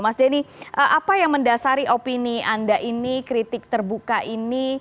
mas denny apa yang mendasari opini anda ini kritik terbuka ini